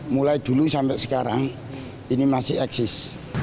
mulai dulu sampai sekarang ini masih eksis